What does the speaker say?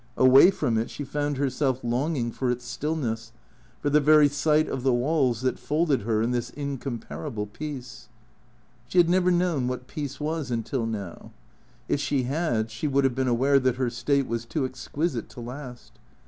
Away from it she found herself long 118 THECREATOES ing for its stillness, for the very sight of the walls that folded her in this incomparable peace. She had never known what peace was until now. If she had she would have been aware that her state was too exquisite to last.